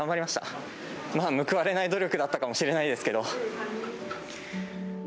まあ、報われない努力だったかもしれないですけど。